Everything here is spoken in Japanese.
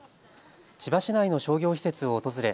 千葉市内の商業施設を訪れ